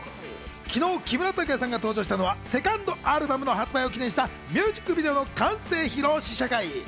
昨日、木村拓哉さんが登場したのはセカンドアルバムの発売を記念したミュージックビデオの完成披露試写会。